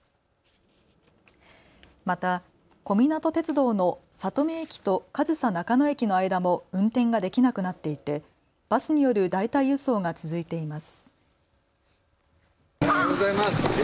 また小湊鐵道の里見駅と上総中野駅の間も運転ができなくなっていてバスによる代替輸送が続いています。